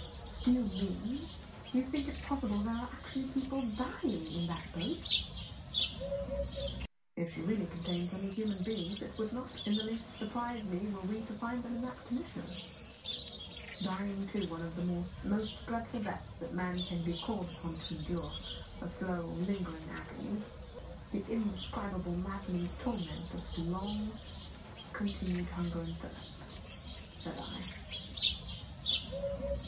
"Do you mean that you think it possible there are people actually dying in that boat?" "If she really contains any human beings it would not in the least surprise me were we to find them in that condition; dying, too, one of the most dreadful deaths that man can be called upon to endure, a slow, lingering agony the indescribable, maddening torment of long continued hunger and thirst," said I.